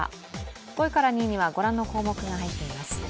５位から２位はご覧のような項目が入っています